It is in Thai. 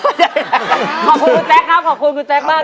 ขอบคุณคุณแจ๊คครับขอบคุณคุณแจ๊คมาก